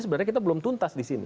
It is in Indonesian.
sebenarnya kita belum tuntas di sini